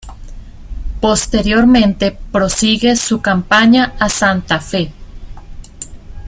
Posteriormente prosigue su campaña a Santa Fe.